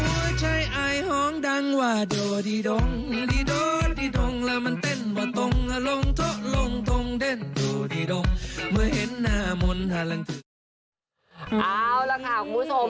เอาล่ะค่ะคุณผู้ชม